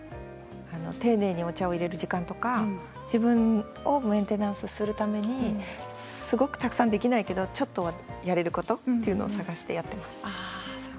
丁寧にお茶をいれる時間とか自分をメンテナンスするためにすごくたくさんできないけどちょっとはやれることというのを探してやっています。